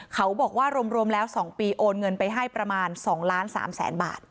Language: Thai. เขาบอกว่ารวมแล้ว๒ปีโอนเงินไปให้ประมาณ๒ล้าน๓แสนบาท